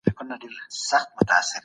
تعليمي نصاب بايد معياري وي.